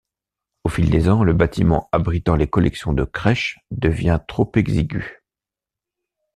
Au fil des ans, le bâtiment abritant les collections de crèches devient trop exigu.